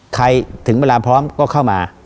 ถึงเวลาพร้อมก็เข้ามา